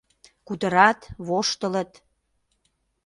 Кутырат, воштылыт.